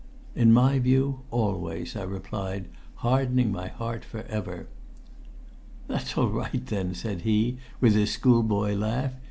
"In my view, always," I replied, hardening my heart for ever. "That's all right, then," said he with his schoolboy laugh.